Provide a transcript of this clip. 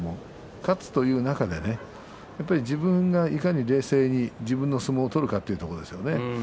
勝つという中で、自分がいかに冷静に自分の相撲を取るかということですね。